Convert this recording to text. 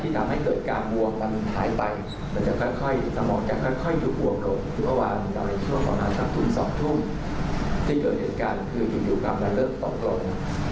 แต่เริ่มต่างเริ่มแย่ลง